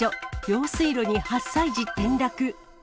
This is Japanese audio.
用水路に８歳児転落。